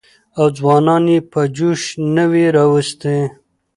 او ځوانان يې په جوش نه وى راوستي.